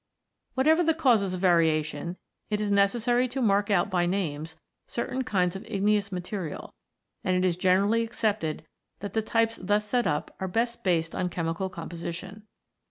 Whatever the causes of variation, it is necessary to mark out by names certain kinds of igneous material, and it is generally accepted that the types thus set up are best based on chemical composition.